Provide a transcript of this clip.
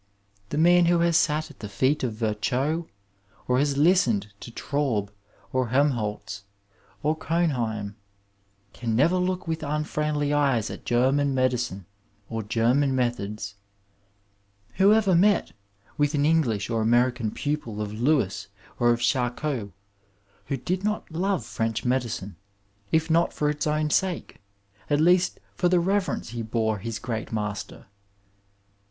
The man who has sat at the feet of Virchow, or has listened to Traube, or Helmholtz, or Cohnheim, can never look with unfriendly eyes at German medicine or Qerman methods Who ever met with an English or American pupil of Louis or of Charcot, who did not love French medicine, if not for its own sake, at least for the reverence he bore his great master?